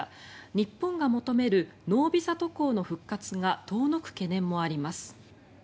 日本が求めるノービザ渡航の復活が遠のく懸念もあります。